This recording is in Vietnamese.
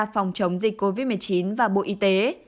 phòng chống dịch covid một mươi chín và bộ y tế